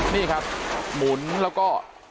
นี่ครับหมุนแล้วก็